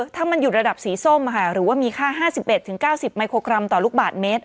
ถ้ามันอยู่ระดับสีส้มหรือว่ามีค่า๕๑๙๐มิโครกรัมต่อลูกบาทเมตร